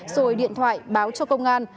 rồi điện thoại báo cho công an